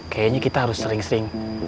kayaknya kita harus sering sering